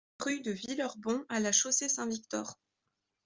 Rue de Villerbon à La Chaussée-Saint-Victor